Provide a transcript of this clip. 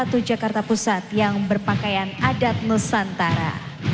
satu jakarta pusat yang berpakaian adat nusantara